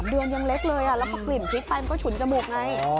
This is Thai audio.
เดือนยังเล็กเลยแล้วพอกลิ่นพริกไปมันก็ฉุนจมูกไง